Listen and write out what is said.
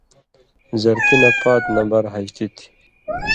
زرتی نہ پات نمبر ہَجتی تھی